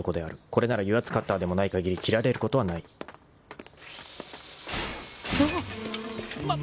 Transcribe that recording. ［これなら油圧カッターでもないかぎり切られることはない］ああ！？